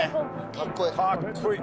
かっこいい！